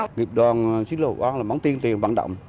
nghiệp đoàn xích lộ quán là món tiền tiền vận động